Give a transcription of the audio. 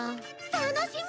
楽しみ！